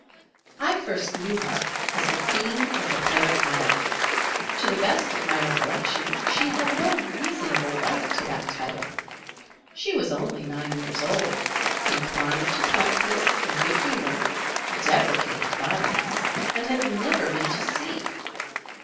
I first knew her as the Queen of the Pirate Isle. To the best of my recollection she had no reasonable right to that title. She was only nine years old, inclined to plumpness and good humour, deprecated violence and had never been to sea.